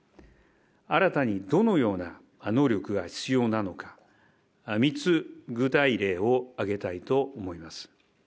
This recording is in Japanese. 新たにどのような能力が必要なのか、３つ、具体例を挙げたいと思います。